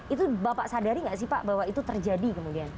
itu bapak sadari nggak sih pak bahwa itu terjadi kemudian